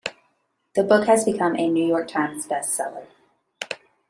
The book has become a "New York Times" bestseller.